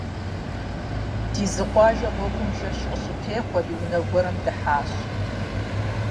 Дизкъуажэ гъуэгум жэщ къыщытехъуэри унэ гуэрым дыхьащ.